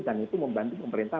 dan itu membantu pemerintah